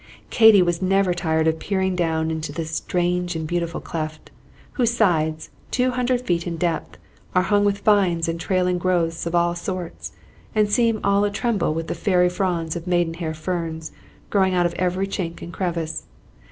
Katy was never tired of peering down into this strange and beautiful cleft, whose sides, two hundred feet in depth, are hung with vines and trailing growths of all sorts, and seem all a tremble with the fairy fronds of maiden hair ferns growing out of every chink and crevice.